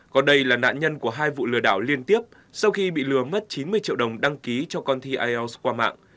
còn đây là nạn nhân của hai vụ lừa đảo liên tiếp sau khi bị lừa mất chín mươi triệu đồng đăng ký cho con thi ielts qua mạng